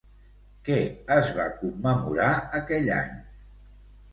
Què es va commemorar aquell any?